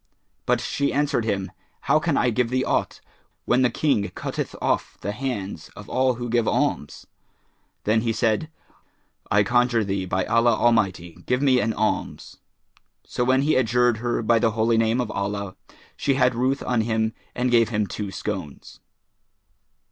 But she answered him, "How can I give thee aught, when the King cutteth off the hands of all who give alms?" Then he said, "I conjure thee by Allah Almighty, give me an alms;" so when he adjured her by the Holy Name of Allah, she had ruth on him and gave him two scones.